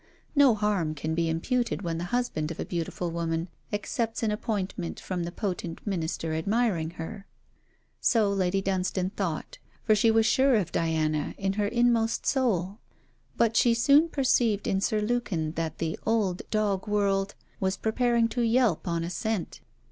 No harm can be imputed when the husband of a beautiful woman accepts an appointment from the potent Minister admiring her. So Lady Dunstane thought, for she was sure of Diana to her inmost soul. But she soon perceived in Sir Lukin that the old Dog world was preparing to yelp on a scent.